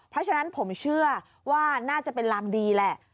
เพราะฉะนั้นผมเชื่อว่าน่าจะเป็นรางดีแหละ